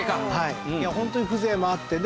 ホントに風情もあって。